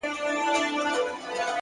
لوړ همت محدودیتونه کوچني کوي؛